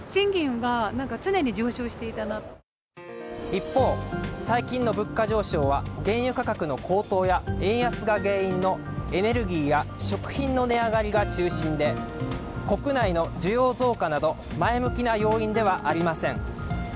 一方、最近の物価上昇は原油価格の高騰や円安が原因のエネルギーや食品の値上がりが中心で国内の需要増加など前向きな要因ではありません。